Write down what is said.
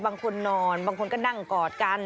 บางคนนอนบางคนก็นั่งกอดกัน